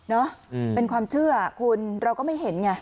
เป็นความเชื่อคุณเราก็ไม่เห็นไง